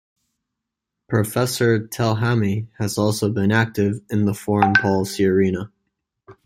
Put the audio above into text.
Professor Telhami has also been active in the foreign policy arena.